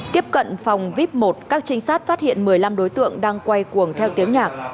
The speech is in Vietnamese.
tiếp cận phòng vip một các trinh sát phát hiện một mươi năm đối tượng đang quay cuồng theo tiếng nhạc